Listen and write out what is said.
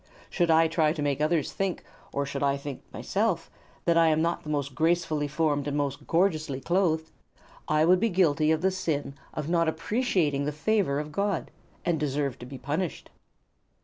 Should I try to make others think, or should I myself think, that I am not most gracefully formed and most gorgeously clothed, I would be guilty of the sin of not appreciating the favor of God, and deserve to be punished."